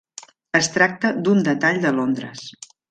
Es tracta d'un detall de Londres.